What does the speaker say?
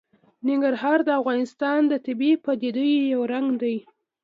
ننګرهار د افغانستان د طبیعي پدیدو یو رنګ دی.